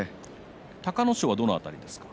隆の勝はどの辺りですか？